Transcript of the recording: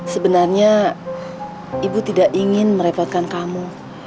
sebenarnya ibu tidak ingin merepotkan kamu